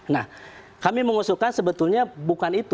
nah kami mengusulkan sebetulnya bukan itu